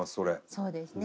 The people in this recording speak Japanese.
そうですね。